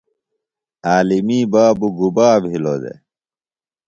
عالمی بابوۡ گُبا بِھلو دےۡ؟